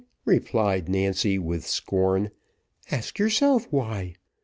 replied Nancy, with scorn; "ask yourself why.